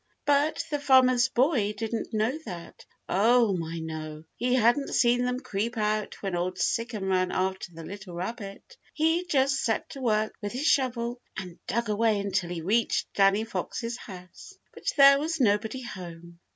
But the Farmer's Boy didn't know that. Oh, my no! He hadn't seen them creep out when Old Sic'em ran after the little rabbit. He just set to work with his shovel and dug away until he reached Danny Fox's house. But there was nobody home.